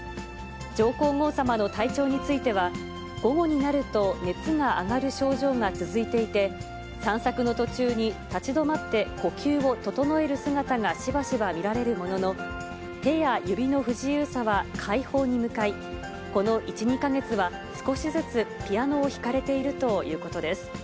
上皇后さまの体調については、午後になると熱が上がる症状が続いていて、散策の途中に立ち止まって、呼吸を整える姿がしばしば見られるものの、手や指の不自由さは快方に向かい、この１、２か月は少しずつピアノを弾かれているということです。